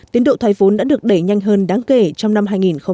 tiến độ thái vốn đã được đẩy nhanh hơn đáng kể trong năm hai nghìn một mươi bảy